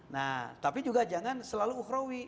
nah tapi juga jangan selalu uhrawi